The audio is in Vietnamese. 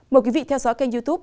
mời quý vị theo dõi kênh youtube